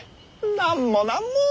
なんもなんも。